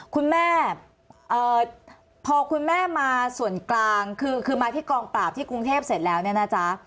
คุณแม่พอคุณแม่มาส่วนกลางคือมาที่กองปราบที่กรุงเทพเสร็จแล้วเนี่ยนะจ๊ะ